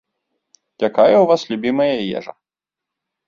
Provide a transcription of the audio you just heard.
Якая ў вас любімая ежа?